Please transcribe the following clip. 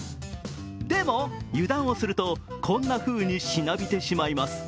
でも油断をすると、こんなふうにしなびてしまいます。